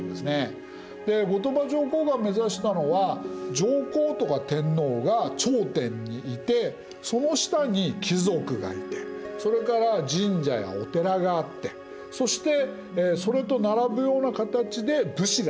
で後鳥羽上皇が目指したのは上皇とか天皇が頂点にいてその下に貴族がいてそれから神社やお寺があってそしてそれと並ぶような形で武士がいる。